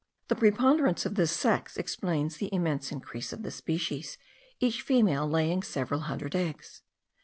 The preponderance of this sex explains the immense increase of the species, each female laying several hundred eggs.